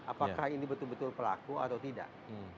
apakah ini betul betul pelaku atau tidak